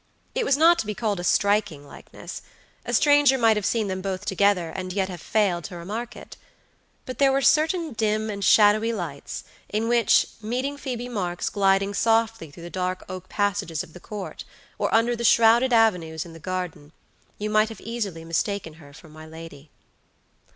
It was not to be called a striking likeness; a stranger might have seen them both together, and yet have failed to remark it. But there were certain dim and shadowy lights in which, meeting Phoebe Marks gliding softly through the dark oak passages of the Court, or under the shrouded avenues in the garden, you might have easily mistaken her for my lady.